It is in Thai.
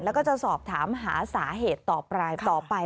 แล้วก็จะสอบถามหาสาเหตุต่อไปต่อไป